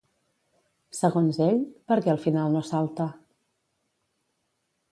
Segons ell, per què al final no salta?